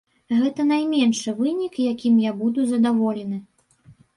Гэта найменшы вынік, якім я буду задаволены.